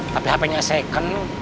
tapi hpnya second